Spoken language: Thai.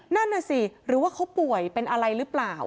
นั่นน่ะสิหรือว่าเขาป่วยเป็นอะไรหรือเปล่า